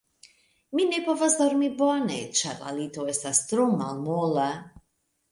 Mi ne povas dormi bone, ĉar la lito estas tro malmola.